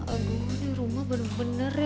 aduh ini rumah bener bener